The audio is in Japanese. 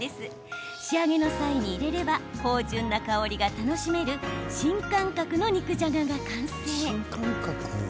仕上げの際に入れれば芳じゅんな香りが楽しめる新感覚の肉じゃがが完成。